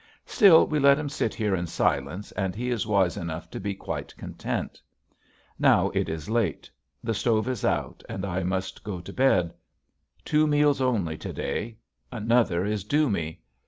Still, we let him sit here in silence and he is wise enough to be quite content. Now it is late. The stove is out and I must go to bed. Two meals only to day, another is due me.